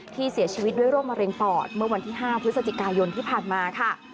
เสียชีวิตด้วยโรคมะเร็งปอดเมื่อวันที่๕พฤศจิกายนที่ผ่านมาค่ะ